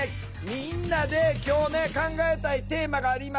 みんなで今日ね考えたいテーマがあります。